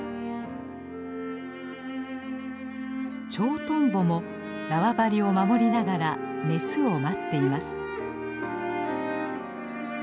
チョウトンボも縄張りを守りながらメスを待っています。